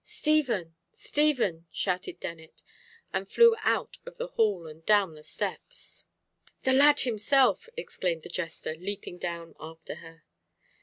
"Stephen! Stephen!" shouted Dennet, and flew out of the hall and down the steps. "The lad himself!" exclaimed the jester, leaping down after her.